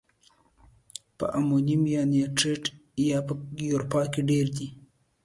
په امونیم نایتریت یا په یوریا کې ډیر دی؟